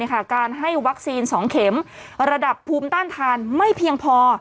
การให้วัคซีน๒เข็มระดับภูมิต้านทานไม่เพียงพอ